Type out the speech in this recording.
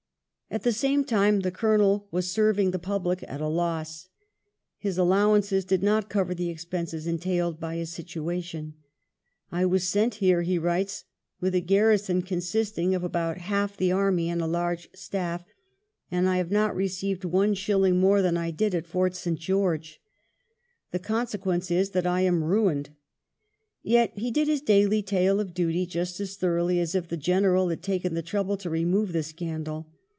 At the same time the Colonel was serving the public at a loss. His allowances did not cover the ex penses entailed by his situation. " I was sent Here," he writes, "with a garrison consisting of about half the army and a large staff, and I have not received one shilling more than I did at Fort St. George. The conse quence is that I am ruined." Yet he did his daily tale of duty just as thoroughly as if the General had taken the trouble to remove the scandal.